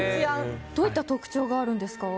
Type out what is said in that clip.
どういった特徴があるんですか？